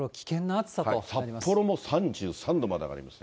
札幌も３３度まで上がります。